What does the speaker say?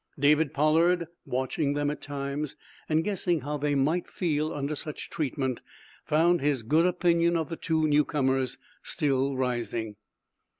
David Pollard, watching them at times, and guessing how they might feel under such treatment, found his good opinion of the two newcomers still rising.